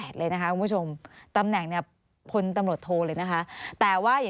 สนุนโดยน้ำดื่มสิง